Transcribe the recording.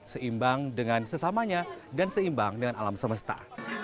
seimbang dengan sesamanya dan seimbang dengan alam semesta